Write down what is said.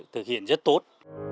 thực hiện rất tốt